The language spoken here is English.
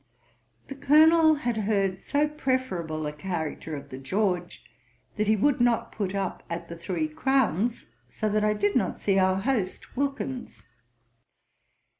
The Colonel had heard so preferable a character of the George, that he would not put up at the Three Crowns, so that I did not see our host Wilkins.